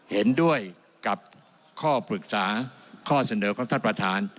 เห็นด้วยกับข้อปรึกษาข้อเสนอของท่านประธาน